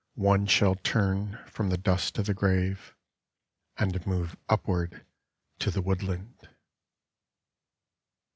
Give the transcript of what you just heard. One shall turn from the dust of the grave. And move upward to the woodland.